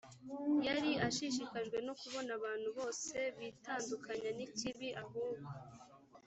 yari ashishikajwe no kubona abantu bose bitandukanya n ikibi ahubwo